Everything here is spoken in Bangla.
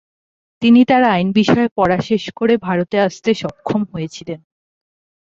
তিনি তার আইন বিষয়ে পড়া শেষ করে ভারতে আসতে সক্ষম হয়েছিলেন।